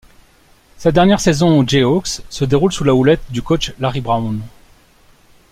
Sa dernière saison aux Jayhawks se déroule sous la houlette du coach Larry Brown.